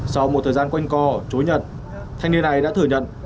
sau một thời gian quanh co chối nhận thanh niên này đã thừa nhận